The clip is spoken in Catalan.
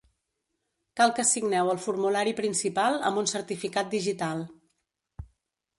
Cal que signeu el formulari principal amb un certificat digital.